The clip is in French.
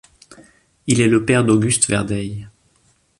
Il est le père d'Auguste Verdeil.